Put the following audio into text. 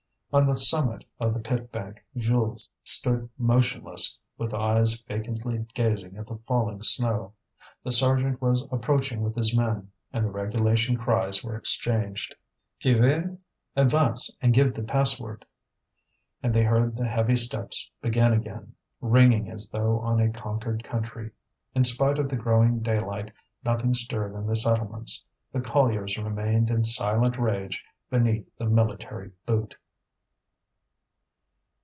On the summit of the pit bank Jules stood motionless, with eyes vacantly gazing at the falling snow. The sergeant was approaching with his men, and the regulation cries were exchanged. "Qui vive? Advance and give the password!" And they heard the heavy steps begin again, ringing as though on a conquered country. In spite of the growing daylight, nothing stirred in the settlements; the colliers remained in silent rage beneath the military boot.